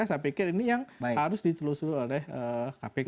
saya pikir ini yang harus ditelusuri oleh kpk